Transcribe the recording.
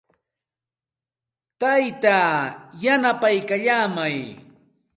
Taytaa yanapaykallaamay.